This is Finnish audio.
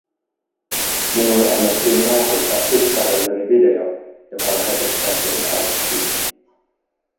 Minun annettiin nauhoittaa tyttärelleni video, joka lähetettäisiin arkkiin.